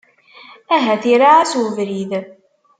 Ahat iraε-as ubrid.